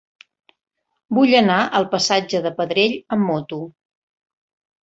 Vull anar al passatge de Pedrell amb moto.